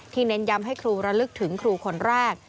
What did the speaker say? เน้นย้ำให้ครูระลึกถึงครูคนแรก